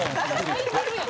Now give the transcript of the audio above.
泣いてるやん。